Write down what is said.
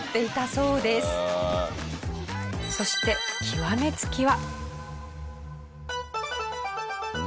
そして極め付きは。